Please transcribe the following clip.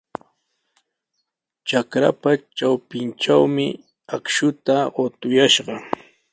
Trakrapa trawpintraw akshuta qutuyashqa.